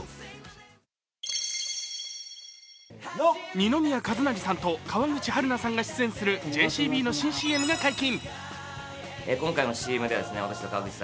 二宮和也さんと川口春奈さんが出演するＪＣＢの新ＣＭが解禁。